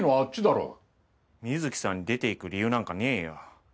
美月さんに出て行く理由なんかねえよ。